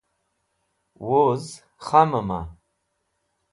Wuz Khamẽma?